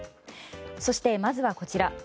そしてまずはこちら。